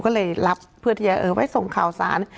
ก็เลยรับเพื่อที่จะไว้ส่งข่าวสาร